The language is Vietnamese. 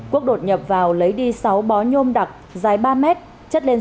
quốc đột nhập vào lấy đi sáu bó nhôm đặc dài ba m chất lên sáu m